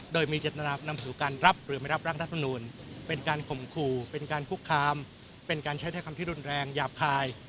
โดยมีเจตนานำสู่การรับหรือไม่รับร่างรัฐมนูลเป็นการข่มขู่เป็นการคุกคามเป็นการใช้ถ้อยคำที่รุนแรงหยาบคาย